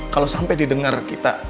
kalau sampai didengar kita